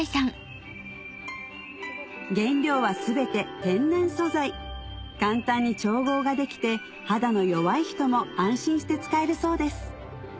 原料は全て天然素材簡単に調合ができて肌の弱い人も安心して使えるそうです